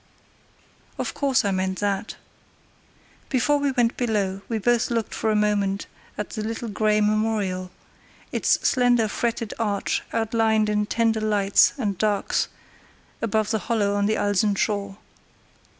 Of course I meant that. Before we went below we both looked for a moment at the little grey memorial; its slender fretted arch outlined in tender lights and darks above the hollow on the Alsen shore.